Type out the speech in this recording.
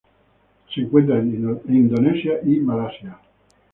Se encuentra en Indonesia i Malasia.